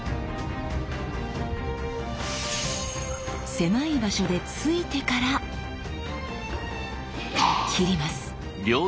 狭い場所で突いてから斬ります。